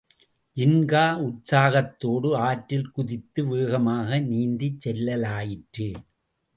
ஜின்கா உற்சாகத்தோடு ஆற்றில் குதித்து வேகமாக நீந்திச் செல்லலாயிற்று.